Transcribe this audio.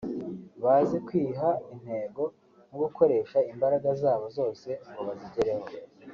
bazi kwiha intego no gukoresha imbaraga zabo zose ngo bazigereho